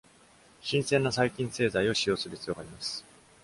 新鮮な細菌製剤を使用する必要があります。